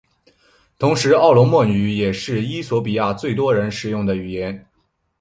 同时奥罗莫语也是衣索比亚最多人使用的语言。